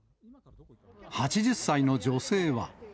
８０歳の女性は。